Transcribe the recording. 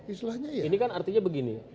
ini kan artinya begini